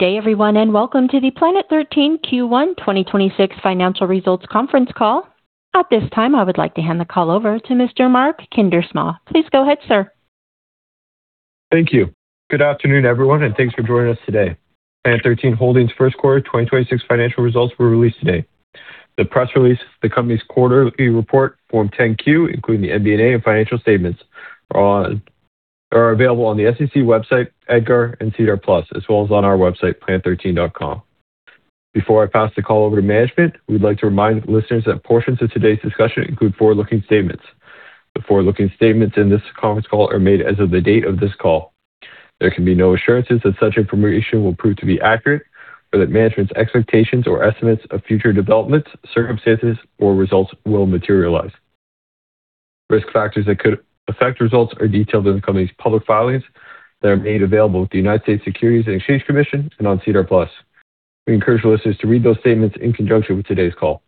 Good day everyone, welcome to the Planet 13 Q1 2026 financial results conference call. At this time, I would like to hand the call over to Mr. Mark Kuindersma. Please go ahead, sir. Thank you. Good afternoon, everyone, and thanks for joining us today. Planet 13 Holdings first quarter 2026 financial results were released today. The press release, the company's quarterly report, Form 10-Q, including the MD&A and financial statements are available on the SEC website, EDGAR and SEDAR+, as well as on our website, planet13.com. Before I pass the call over to management, we'd like to remind listeners that portions of today's discussion include forward-looking statements. The forward-looking statements in this conference call are made as of the date of this call. There can be no assurances that such information will prove to be accurate, or that management's expectations or estimates of future developments, circumstances, or results will materialize. Risk factors that could affect results are detailed in the company's public filings that are made available with the United States Securities and Exchange Commission and on SEDAR+. We encourage listeners to read those statements in conjunction with today's call.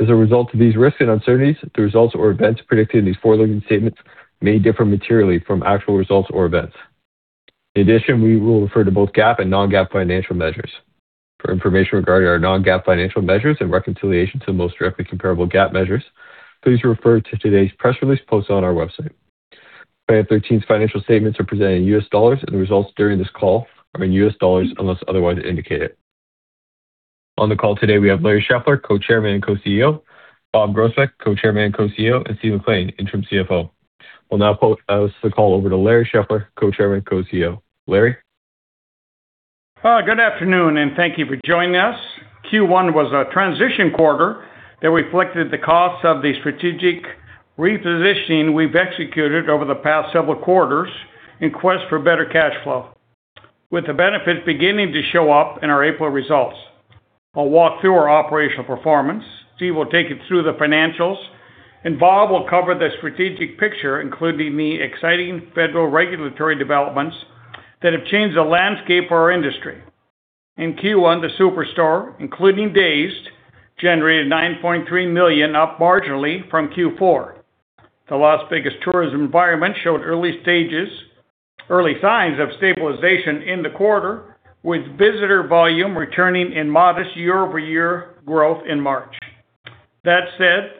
As a result of these risks and uncertainties, the results or events predicted in these forward-looking statements may differ materially from actual results or events. In addition, we will refer to both GAAP and non-GAAP financial measures. For information regarding our non-GAAP financial measures and reconciliation to the most directly comparable GAAP measures, please refer to today's press release post on our website. Planet 13's financial statements are presented in U.S. dollars, and the results during this call are in U.S. dollars, unless otherwise indicated. On the call today, we have Larry Scheffler, Co-Chairman and Co-CEO, Bob Groesbeck, Co-Chairman and Co-CEO, and Steve McLean, Interim CFO. We'll now pass the call over to Larry Scheffler, Co-Chairman and Co-CEO. Larry. Good afternoon, and thank you for joining us. Q1 was a transition quarter that reflected the cost of the strategic repositioning we've executed over the past several quarters in quest for better cash flow. With the benefits beginning to show up in our April results. I'll walk through our operational performance. Steve will take you through the financials, and Bob will cover the strategic picture, including the exciting federal regulatory developments that have changed the landscape for our industry. In Q1, the SuperStore, including DAZED!, generated $9.3 million, up marginally from Q4. The Las Vegas tourism environment showed early signs of stabilization in the quarter, with visitor volume returning in modest year-over-year growth in March. That said,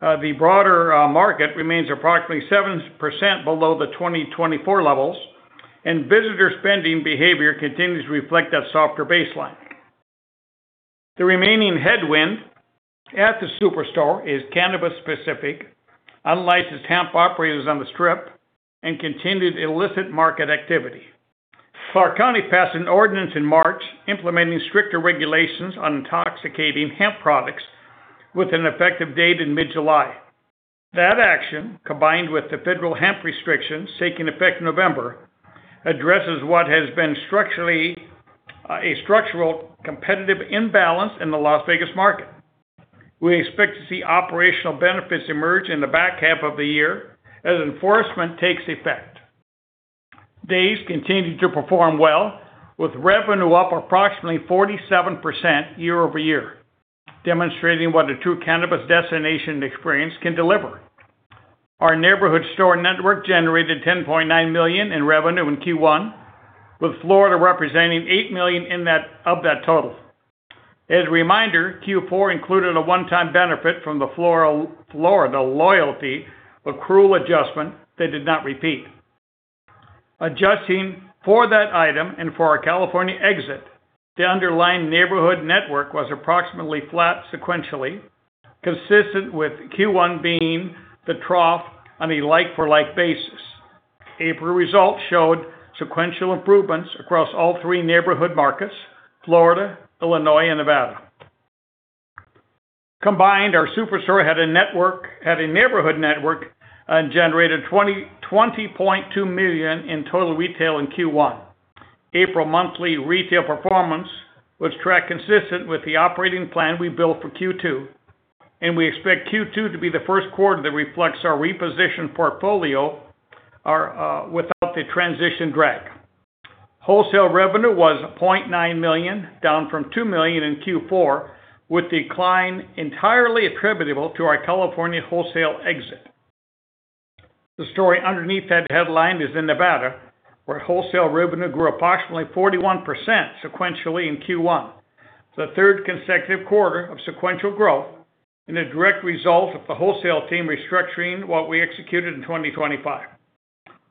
the broader market remains approximately 7% below the 2024 levels, and visitor spending behavior continues to reflect that softer baseline. The remaining headwind at the SuperStore is cannabis-specific, unlicensed hemp operators on the Strip, and continued illicit market activity. Clark County passed an ordinance in March implementing stricter regulations on intoxicating hemp products with an effective date in mid-July. That action, combined with the federal hemp restrictions taking effect in November, addresses what has been a structural competitive imbalance in the Las Vegas market. We expect to see operational benefits emerge in the back half of the year as enforcement takes effect. DAZED! continued to perform well, with revenue up approximately 47% year-over-year, demonstrating what a true cannabis destination experience can deliver. Our neighborhood store network generated $10.9 million in revenue in Q1, with Florida representing $8 million of that total. As a reminder, Q4 included a one-time benefit from the Florida loyalty accrual adjustment that did not repeat. Adjusting for that item and for our California exit, the underlying neighborhood network was approximately flat sequentially, consistent with Q1 being the trough on a like-for-like basis. April results showed sequential improvements across all three neighborhood markets: Florida, Illinois, and Nevada. Combined, our SuperStore had a neighborhood network and generated $20.2 million in total retail in Q1. April monthly retail performance was track consistent with the operating plan we built for Q2, and we expect Q2 to be the first quarter that reflects our repositioned portfolio, without the transition drag. Wholesale revenue was $0.9 million, down from $2 million in Q4, with decline entirely attributable to our California wholesale exit. The story underneath that headline is in Nevada, where wholesale revenue grew approximately 41% sequentially in Q1, the third consecutive quarter of sequential growth in a direct result of the wholesale team restructuring what we executed in 2025.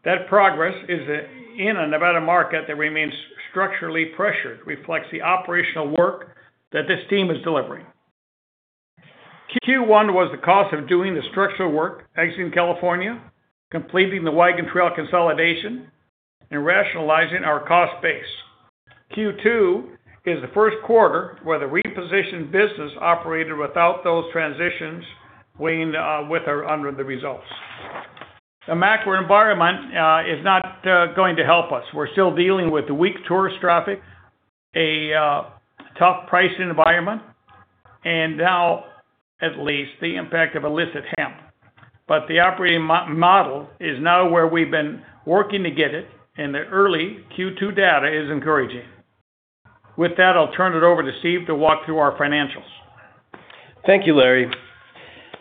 That progress is in a Nevada market that remains structurally pressured, reflects the operational work that this team is delivering. Q1 was the cost of doing the structural work, exiting California, completing the Wagon Trail consolidation, and rationalizing our cost base. Q2 is the first quarter where the repositioned business operated without those transitions weighing with or under the results. The macro environment is not going to help us. We're still dealing with the weak tourist traffic, a tough pricing environment, and now at least the impact of illicit hemp. The operating model is now where we've been working to get it, and the early Q2 data is encouraging. With that, I'll turn it over to Steve to walk through our financials. Thank you, Larry.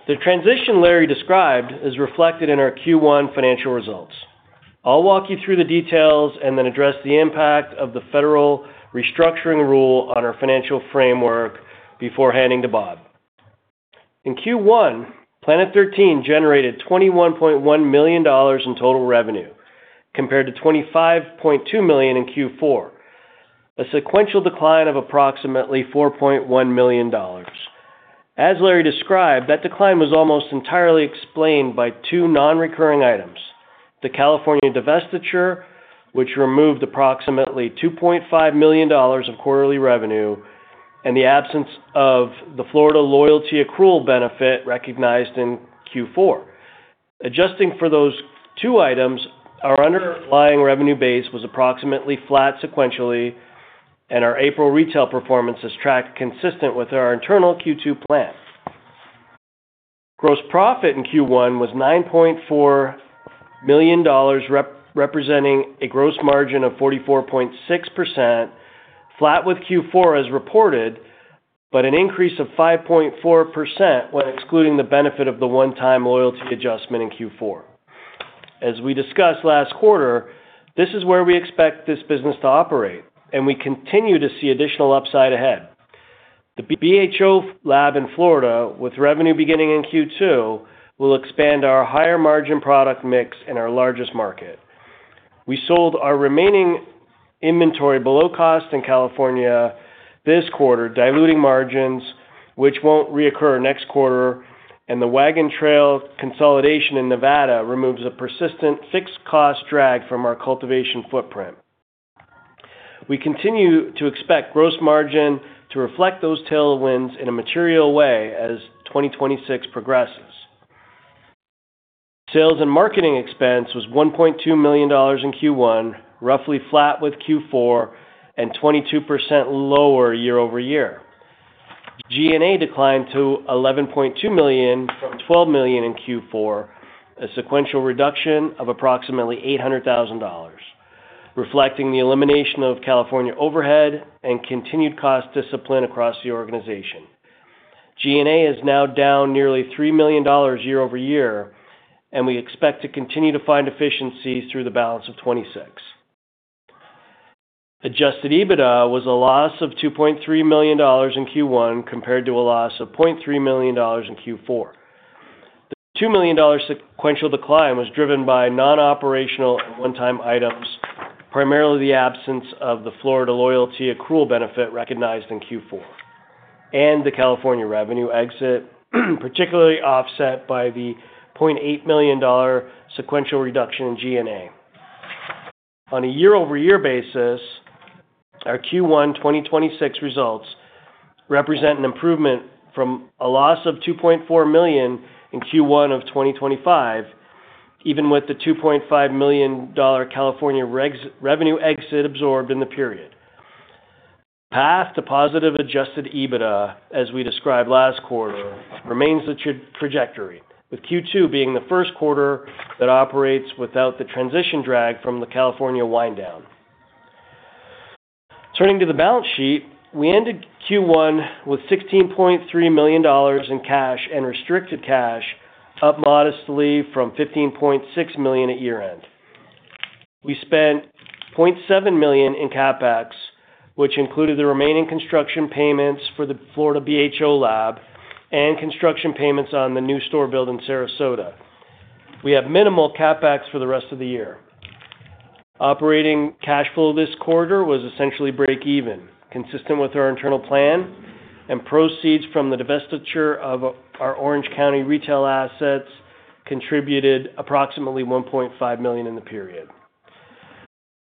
The transition Larry described is reflected in our Q1 financial results. I'll walk you through the details and then address the impact of the federal restructuring rule on our financial framework before handing to Bob. In Q1, Planet 13 generated $21.1 million in total revenue compared to $25.2 million in Q4, a sequential decline of approximately $4.1 million. As Larry described, that decline was almost entirely explained by two non-recurring items: the California divestiture, which removed approximately $2.5 million of quarterly revenue, and the absence of the Florida loyalty accrual benefit recognized in Q4. Adjusting for those two items, our underlying revenue base was approximately flat sequentially, and our April retail performance has tracked consistent with our internal Q2 plan. Gross profit in Q1 was $9.4 million, representing a gross margin of 44.6%, flat with Q4 as reported, but an increase of 5.4% when excluding the benefit of the one-time loyalty adjustment in Q4. As we discussed last quarter, this is where we expect this business to operate, and we continue to see additional upside ahead. The BHO lab in Florida, with revenue beginning in Q2, will expand our higher-margin product mix in our largest market. We sold our remaining inventory below cost in California this quarter, diluting margins, which won't reoccur next quarter, and the Wagon Trail consolidation in Nevada removes a persistent fixed-cost drag from our cultivation footprint. We continue to expect gross margin to reflect those tailwinds in a material way as 2026 progresses. Sales and marketing expense was $1.2 million in Q1, roughly flat with Q4 and 22% lower year-over-year. G&A declined to $11.2 million from $12 million in Q4, a sequential reduction of approximately $800,000, reflecting the elimination of California overhead and continued cost discipline across the organization. G&A is now down nearly $3 million year-over-year, and we expect to continue to find efficiencies through the balance of 2026. Adjusted EBITDA was a loss of $2.3 million in Q1 compared to a loss of $0.3 million in Q4. The $2 million sequential decline was driven by non-operational and one-time items, primarily the absence of the Florida loyalty accrual benefit recognized in Q4 and the California revenue exit, particularly offset by the $0.8 million sequential reduction in G&A. On a year-over-year basis, our Q1 2026 results represent an improvement from a loss of $2.4 million in Q1 2025, even with the $2.5 million California revenue exit absorbed in the period. Path to positive Adjusted EBITDA, as we described last quarter, remains the trajectory, with Q2 being the first quarter that operates without the transition drag from the California wind-down. Turning to the balance sheet, we ended Q1 with $16.3 million in cash and restricted cash, up modestly from $15.6 million at year-end. We spent $0.7 million in CapEx, which included the remaining construction payments for the Florida BHO lab and construction payments on the new store build in Sarasota. We have minimal CapEx for the rest of the year. Operating cash flow this quarter was essentially break-even, consistent with our internal plan, and proceeds from the divestiture of our Orange County retail assets contributed approximately $1.5 million in the period.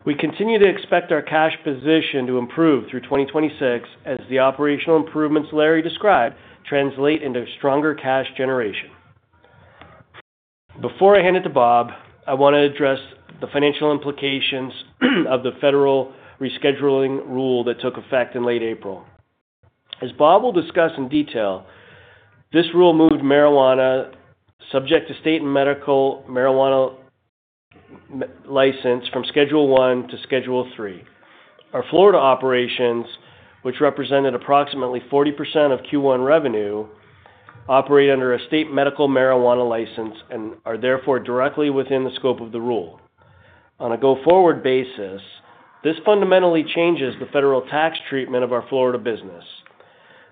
We continue to expect our cash position to improve through 2026 as the operational improvements Larry described translate into stronger cash generation. Before I hand it to Bob, I want to address the financial implications of the federal rescheduling rule that took effect in late April. As Bob will discuss in detail, this rule moved marijuana subject to state medical marijuana license from Schedule I to Schedule III. Our Florida operations, which represented approximately 40% of Q1 revenue, operate under a state medical marijuana license and are therefore directly within the scope of the rule. On a go-forward basis, this fundamentally changes the federal tax treatment of our Florida business.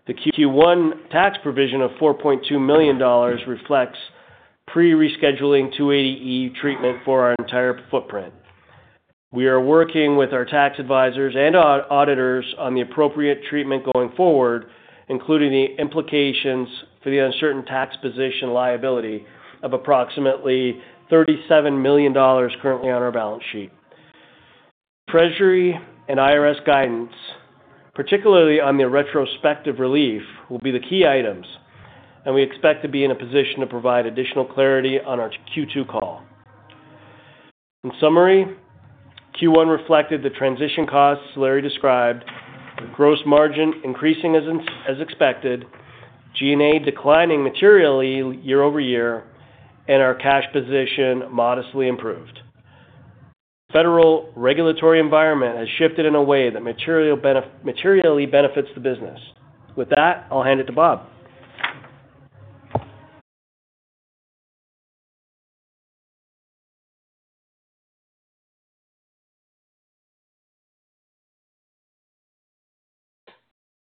The Q1 tax provision of $4.2 million reflects pre-rescheduling 280E treatment for our entire footprint. We are working with our tax advisors and auditors on the appropriate treatment going forward, including the implications for the uncertain tax position liability of approximately $37 million currently on our balance sheet. Treasury and IRS guidance, particularly on the retrospective relief, will be the key items, and we expect to be in a position to provide additional clarity on our Q2 call. In summary, Q1 reflected the transition costs Larry described, with gross margin increasing as expected, G&A declining materially year-over-year, and our cash position modestly improved. Federal regulatory environment has shifted in a way that materially benefits the business. With that, I'll hand it to Bob.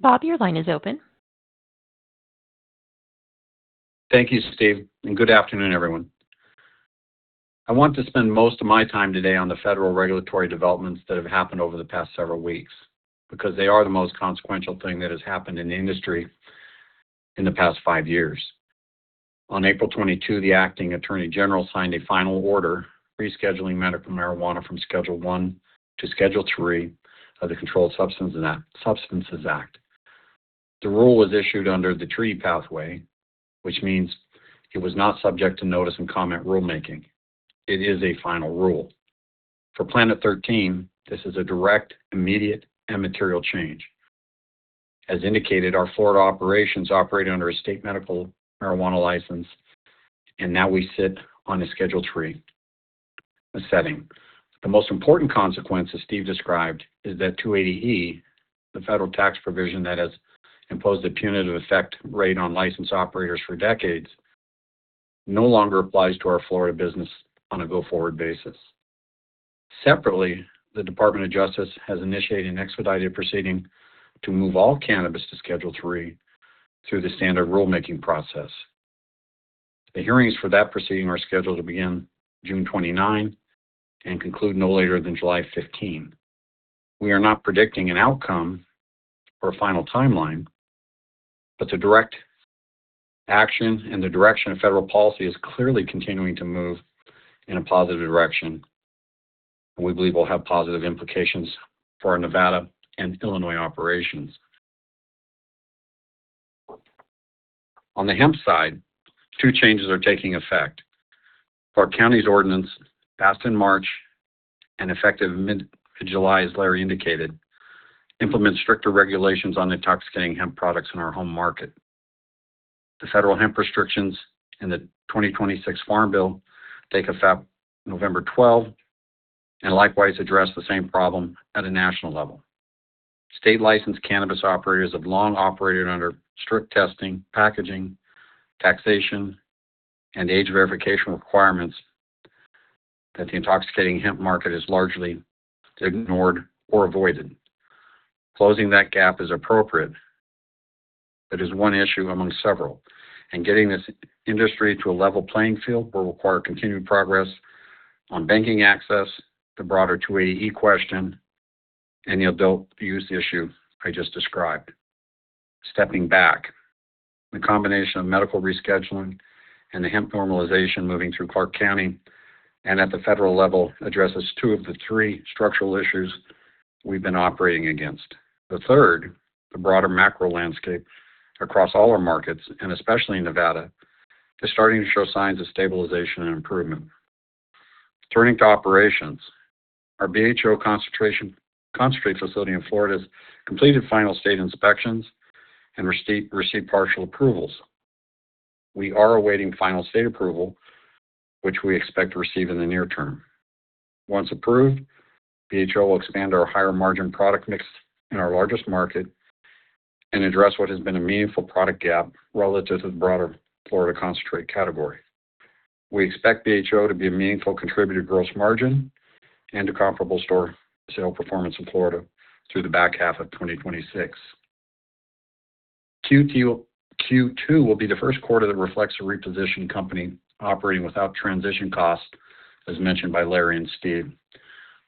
Bob, your line is open. Thank you, Steve, and good afternoon, everyone. I want to spend most of my time today on the federal regulatory developments that have happened over the past several weeks because they are the most consequential thing that has happened in the industry in the past five years. On April 22, the Acting Attorney General signed a final order rescheduling medical marijuana from Schedule I to Schedule III of the Controlled Substances Act. The rule was issued under the treaty pathway, which means it was not subject to notice and comment rulemaking. It is a final rule. For Planet 13, this is a direct, immediate, and material change. As indicated, our Florida operations operate under a state medical marijuana license, and now we sit on a Schedule III setting. The most important consequence, as Steve described, is that 280E, the federal tax provision that has imposed a punitive effective rate on licensed operators for decades, no longer applies to our Florida business on a go-forward basis. Separately, the Department of Justice has initiated an expedited proceeding to move all cannabis to Schedule III through the standard rulemaking process. The hearings for that proceeding are scheduled to begin June 29 and conclude no later than July 15. We are not predicting an outcome or a final timeline, but the direct action and the direction of federal policy is clearly continuing to move in a positive direction, and we believe will have positive implications for our Nevada and Illinois operations. On the hemp side, two changes are taking effect. Clark County's ordinance, passed in March and effective mid-July, as Larry Scheffler indicated, implements stricter regulations on intoxicating hemp products in our home market. The federal hemp restrictions in the 2026 Farm Bill take effect November 12 and likewise address the same problem at a national level. State-licensed cannabis operators have long operated under strict testing, packaging, taxation, and age verification requirements that the intoxicating hemp market has largely ignored or avoided. Closing that gap is appropriate, but is one issue among several, and getting this industry to a level playing field will require continued progress on banking access, the broader 280E question, and the adult-use issue I just described. Stepping back, the combination of medical rescheduling and the hemp normalization moving through Clark County and at the federal level addresses two of the three structural issues we've been operating against. The third, the broader macro landscape across all our markets, and especially in Nevada, is starting to show signs of stabilization and improvement. Turning to operations, our BHO concentrate facility in Florida has completed final state inspections and received partial approvals. We are awaiting final state approval, which we expect to receive in the near term. Once approved, BHO will expand our higher-margin product mix in our largest market and address what has been a meaningful product gap relative to the broader Florida concentrate category. We expect BHO to be a meaningful contributor to gross margin and to comparable store sale performance in Florida through the back half of 2026. Q2 will be the first quarter that reflects a repositioned company operating without transition cost, as mentioned by Larry and Steve,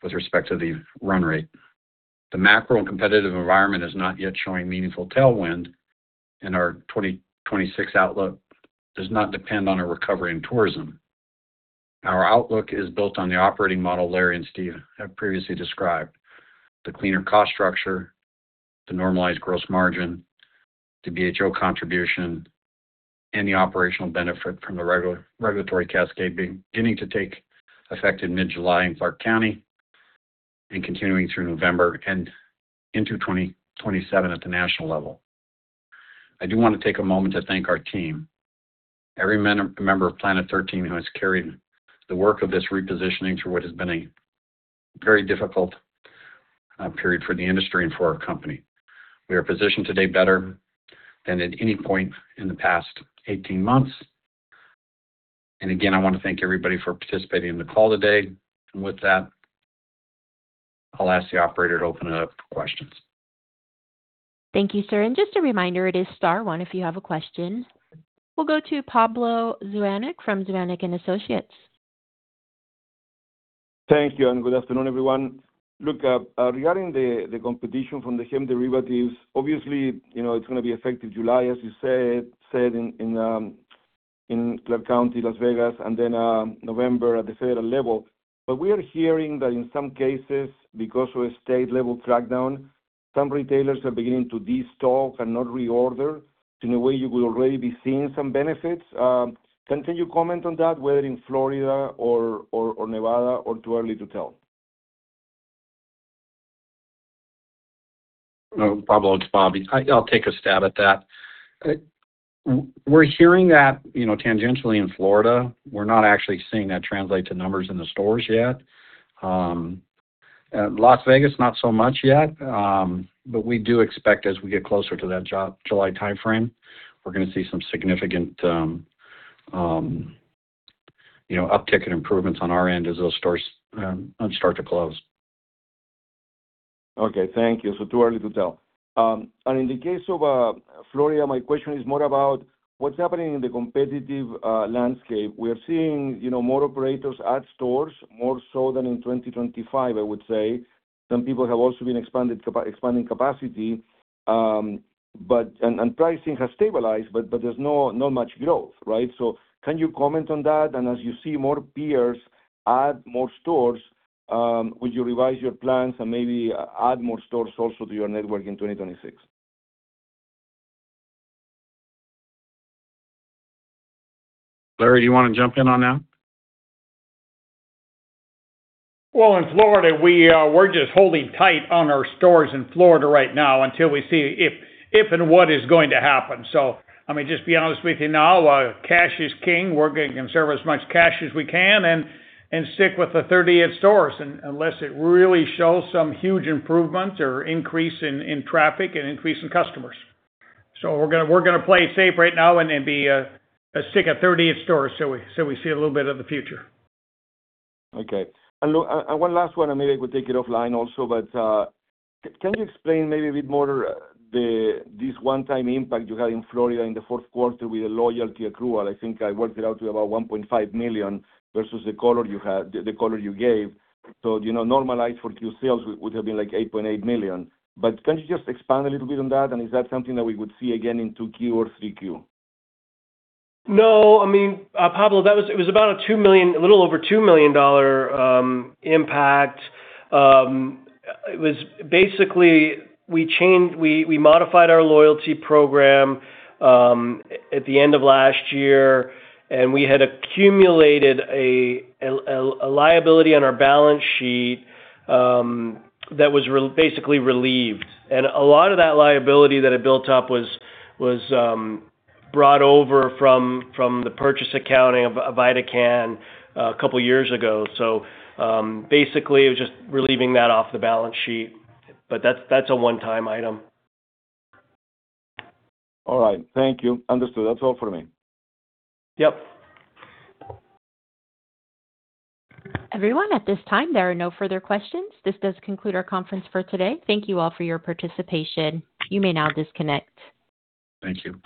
with respect to the run rate. The macro and competitive environment is not yet showing meaningful tailwind, and our 2026 outlook does not depend on a recovery in tourism. Our outlook is built on the operating model Larry and Steve have previously described: the cleaner cost structure, the normalized gross margin, the BHO contribution, and the operational benefit from the regulatory cascade beginning to take effect in mid-July in Clark County and continuing through November and into 2027 at the national level. I do want to take a moment to thank our team, every member of Planet 13 who has carried the work of this repositioning through what has been a very difficult period for the industry and for our company. We are positioned today better than at any point in the past 18 months. Again, I want to thank everybody for participating in the call today. With that, I'll ask the operator to open it up for questions. Thank you, sir. Just a reminder, it is star one if you have a question. We'll go to Pablo Zuanic from Zuanic & Associates. Thank you. Good afternoon, everyone. Look, regarding the competition from the hemp derivatives, obviously, you know, it's going to be effective July, as you said in Clark County, Las Vegas, November at the federal level. We are hearing that in some cases, because of a state-level crackdown, some retailers are beginning to destock and not reorder. In a way, you will already be seeing some benefits. Can you comment on that, whether in Florida or Nevada, or too early to tell? No, Pablo, it's Bobby. I'll take a stab at that. We're hearing that, you know, tangentially in Florida. We're not actually seeing that translate to numbers in the stores yet. At Las Vegas not so much yet. We do expect as we get closer to that July timeframe, we're gonna see some significant, you know, uptick in improvements on our end as those stores start to close. Okay. Thank you. Too early to tell. In the case of Florida, my question is more about what's happening in the competitive landscape. We're seeing, you know, more operators at stores, more so than in 2025, I would say. Some people have also been expanding capacity, pricing has stabilized, but there's no much growth, right? Can you comment on that? As you see more peers add more stores, would you revise your plans and maybe add more stores also to your network in 2026? Larry, do you wanna jump in on that? In Florida, we're just holding tight on our stores in Florida right now until we see if and what is going to happen. I mean, just being honest with you now, cash is king. We're gonna conserve as much cash as we can and stick with the 38 stores unless it really shows some huge improvements or increase in traffic and increase in customers. We're gonna play it safe right now and then be stick at 38 stores till we see a little bit of the future. Okay. One last one, and maybe we'll take it offline also. Can you explain maybe a bit more, this one-time impact you had in Florida in the fourth quarter with the loyalty accrual? I think I worked it out to about $1.5 million versus the color you had, the color you gave. You know, normalized for Q4 sales would have been like $8.8 million. Can you just expand a little bit on that? Is that something that we would see again in 2Q or 3Q? No. I mean, Pablo, it was about a $2 million, a little over $2 million impact. It was basically we modified our loyalty program at the end of last year. We had accumulated a liability on our balance sheet that was basically relieved. A lot of that liability that had built up was brought over from the purchase accounting of VidaCann a couple of years ago. Basically it was just relieving that off the balance sheet. That's a one-time item. All right. Thank you. Understood. That's all for me. Yep. Everyone, at this time, there are no further questions. This does conclude our conference for today. Thank you all for your participation. You may now disconnect. Thank you.